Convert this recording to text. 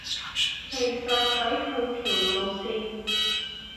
其實睇佢條路線